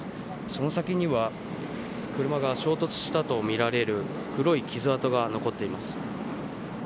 その先には車が衝突したとみられる黒い傷痕が残っています。